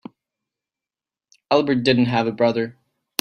Albert didn't have a brother.